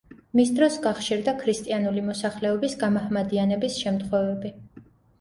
მის დროს გახშირდა ქრისტიანული მოსახლეობის გამაჰმადიანების შემთხვევები.